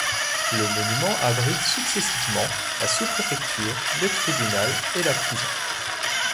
Le monument abrite successivement la sous-préfecture, le tribunal et la prison.